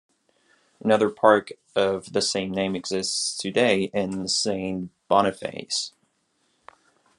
Another park of the same name exists today in Saint Boniface.